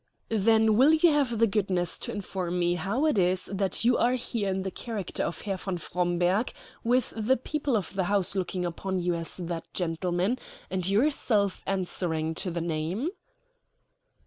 "Then will you have the goodness to inform me how it is that you are here in the character of Herr von Fromberg, with the people of the house looking upon you as that gentleman, and yourself answering to the name?"